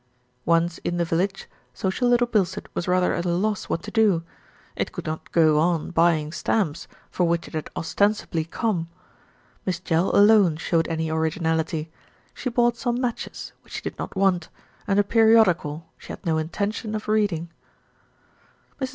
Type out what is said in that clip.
Once in the village, social Little Bilstead was rather at a loss what to do. It could not go on buying stamps, for which it had ostensibly come. Miss Jell alone showed any originality. She bought some matches, which she did not want, and a periodical she had no intention of reading. Mrs.